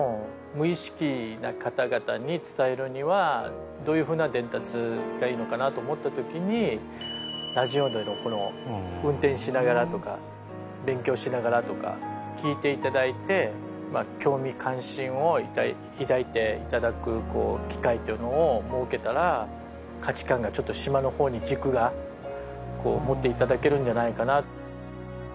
無意識な方々に伝えるにはどういう風な伝達がいいのかなと思った時にラジオでのこの運転しながらとか勉強しながらとか聴いていただいて興味関心を抱いていただく機会っていうのを設けたら価値観がちょっと島の方に軸が持っていただけるんじゃないかな。